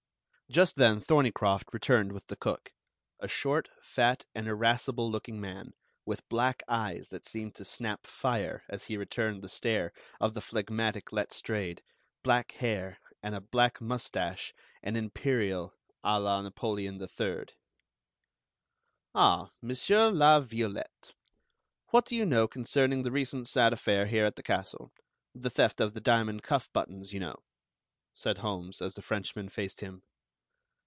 Just then Thorneycroft returned with the cook, a short, fat, and irascible looking man, with black eyes that seemed to snap fire as he returned the stare of the phlegmatic Letstrayed, black hair, and a black mustache and imperial, à la Napoleon III. "Ah, Monsieur La Violette, what do you know concerning the recent sad affair here at the castle, the theft of the diamond cuff buttons, you know?" said Holmes, as the Frenchman faced him.